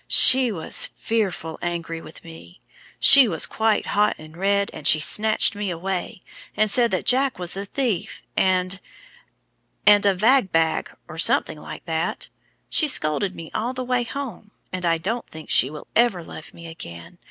"She was fearful angry with me. She was quite hot and red, and she snatched me away, and said that Jack was a thief and and a vagbag, or something like that. She scolded me all the way home, and I don't think she will ever love me again.